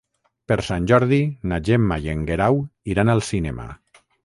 Per Sant Jordi na Gemma i en Guerau iran al cinema.